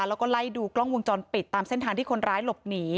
แล้วก็ไล่ดูกล้องวงจรปิดตามเส้นทางที่คนร้ายหลบหนี